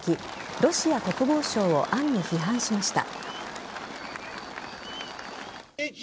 ロシア国防省を暗に批判しました。